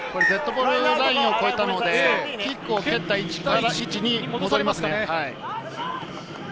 デッドボールラインを越えたのでキックを越えた位置に戻りますね。